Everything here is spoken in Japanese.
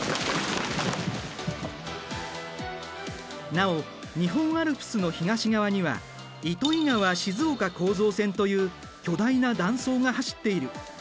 なお日本アルプスの東側には糸魚川・静岡構造線という巨大な断層が走っている。